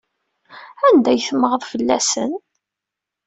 Anda ay temmɣeḍ fell-asen?